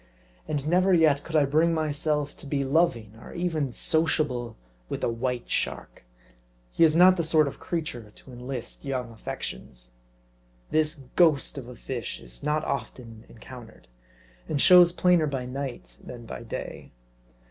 And never yet could I bring myself to be loving, or even sociable, with a White Shark. He is not the sort of creature to enlist young affections. This ghost of a fish is not often encountered, and shows plainer by night than by day.